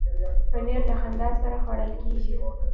پنېر له خندا سره خوړل کېږي.